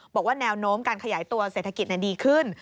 บอกว่าแนวโน้มการขยายตัวเศรษฐกิจดีขึ้น